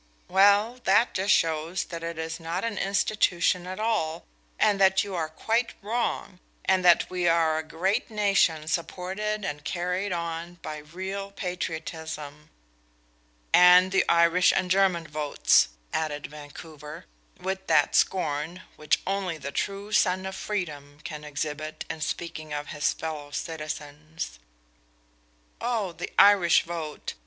"Well, that just shows that it is not an institution at all, and that you are quite wrong, and that we are a great nation supported and carried on by real patriotism." "And the Irish and German votes," added Vancouver, with that scorn which only the true son of freedom can exhibit in speaking of his fellow citizens. "Oh, the Irish vote!